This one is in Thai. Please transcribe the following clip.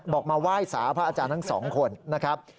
มาไหว้สาพระอาจารย์ทั้งสองคนนะครับ